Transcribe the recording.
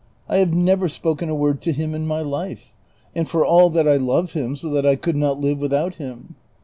I have never spoken a word to him in my life ; and for all that I love him so that I could not live without him.